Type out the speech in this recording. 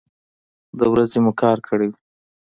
د ورځې مو کار کړی و.